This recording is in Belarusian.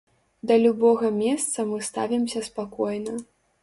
Да любога месца мы ставімся спакойна.